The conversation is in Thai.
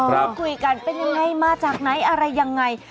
พูดคุยกันเป็นยังไงมาจากไหนอะไรยังไง